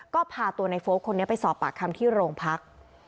ก็พาตัวในโฟลกคนนี้ไปสอบปากคำที่โรงพัก